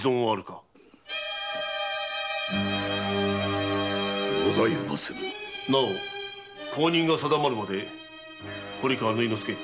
なお後任が定まるまで堀川縫殿助。